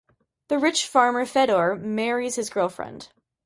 The rich farmer Fedor marries his girlfriend.